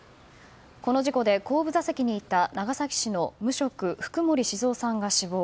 この事故で後部座席にいた長崎市の無職福盛静夫さんが死亡。